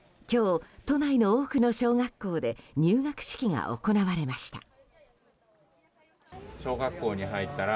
今日、都内の多くの小学校で入学式が行われました。